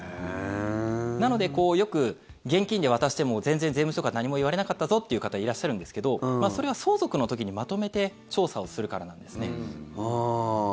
なので、よく現金で渡しても全然、税務署から何も言われなかったぞっていう方いらっしゃるんですけどそれは相続の時にまとめて調査をするからなんですね。